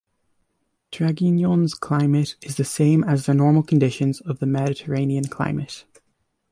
Draguignan's climate is the same as the normal conditions of the Mediterranean climate.